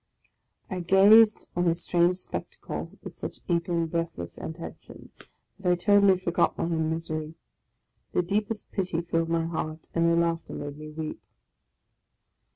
I gazed on this strange spectacle with such eager and breathless attention, that I totally forgot my own misery. The deepest pity filled my heart, and their laughter made me weep.